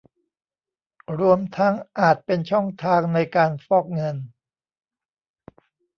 รวมทั้งอาจเป็นช่องทางในการฟอกเงิน